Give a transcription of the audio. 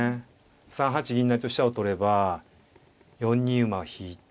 ３八銀成と飛車を取れば４二馬引いて。